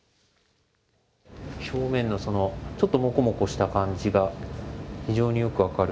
表面のそのちょっともこもこした感じが、非常によく分かる。